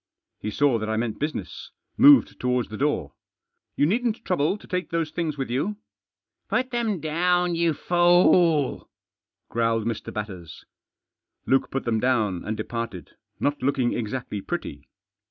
He saw that I meant business ; moved towards the door. " You needn't trouble to take those things with you." Put them down, you fool," growled Mr. Batters. Luke put them down, and departed, not looking exactly pretty.